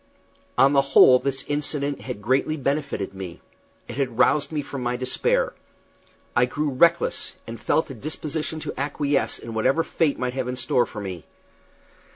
On the whole this incident had greatly benefited me. It had roused me from my despair. I grew reckless, and felt a disposition to acquiesce in whatever fate might have in store for me.